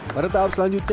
pada tahap selanjutnya